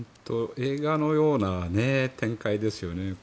映画のような展開ですよね。